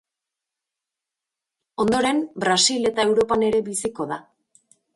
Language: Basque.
Ondoren, Brasil eta Europan ere biziko da.